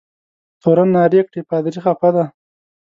تورن نارې کړې پادري خفه دی.